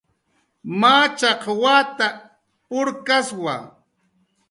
Machaq wata purkkaswa